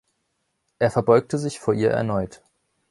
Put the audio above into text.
Er verbeugte sich vor ihr erneut.